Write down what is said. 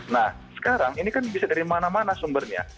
nah sekarang ini kan bisa dari mana mana sumbernya